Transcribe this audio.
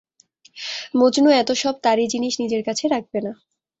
মজনু এত সব তারি জিনিস নিজের কাছে রাখবে না।